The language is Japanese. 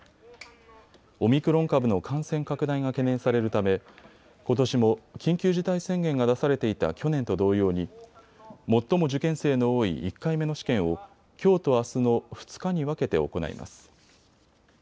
オミクロン株の感染拡大が懸念されるためことしも緊急事態宣言が出されていた去年と同様に最も受験生の多い１回目の試験をきょうとあすの２日に分けて行います。